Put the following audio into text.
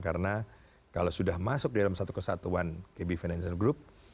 karena kalau sudah masuk di dalam satu kesatuan kb financial group